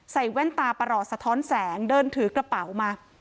แว่นตาประหลอดสะท้อนแสงเดินถือกระเป๋ามา